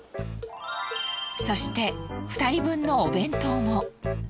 そして２人分のお弁当も。